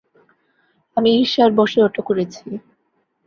আমি ঈর্ষার বশে ওটা করেছি।